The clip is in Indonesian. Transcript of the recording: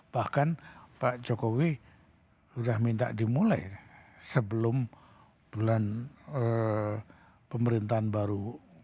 bahkan pak jokowi sudah minta dimulai sebelum bulan pemerintahan baru